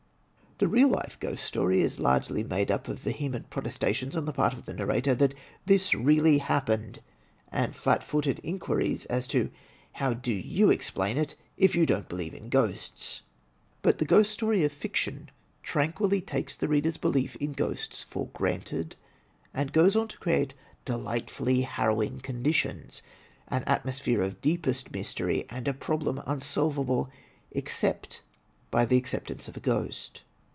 The real life ghost story is largely made up of vehement protestations on the part of the narrator that "This really happened," and flat footed inquiries as to "How do you explain it, if you don't believe in ghosts!" But the Ghost Story of fiction tranquilly takes the reader's belief in ghosts for granted, and goes on to create delight fully harrowing conditions, an atmosphere of deepest mystery and a problem imsolvable, except by the acceptance of a ghost.